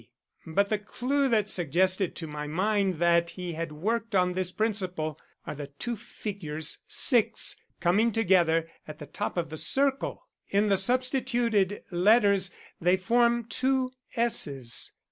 But the clue that suggested to my mind that he had worked on this principle are the two figures 6 coming together at the top of the circle. In the substituted letters they form two S's.